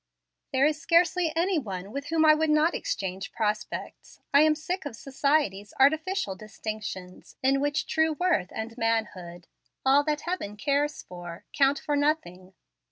"There is scarcely any one with whom I would not exchange prospects. I am sick of society's artificial distinctions, in which true worth and manhood all that Heaven cares for count for nothing.